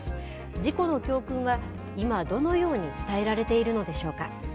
事故の教訓は、今、どのように伝えられているのでしょうか。